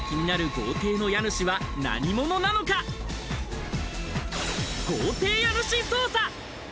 豪邸家主捜査！